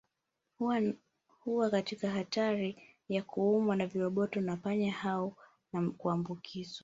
Huwa katika hatari ya kuumwa na viroboto wa panya hao na kuambukizwa